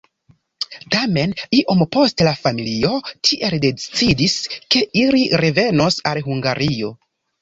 Tamen iom poste la familio tiel decidis, ke ili revenos al Hungario.